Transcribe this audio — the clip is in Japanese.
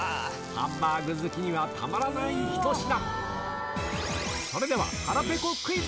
ハンバーグ好きにはたまらない一品。